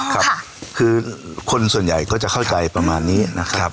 ครับคือคนส่วนใหญ่ก็จะเข้าใจประมาณนี้นะครับ